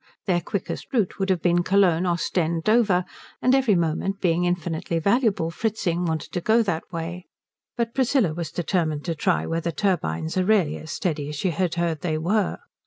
Their quickest route would have been Cologne Ostend Dover, and every moment being infinitely valuable Fritzing wanted to go that way, but Priscilla was determined to try whether turbines are really as steady as she had heard they were.